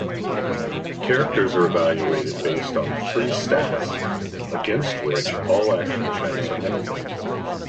Characters are evaluated based on three "Stats", against which all action checks are made.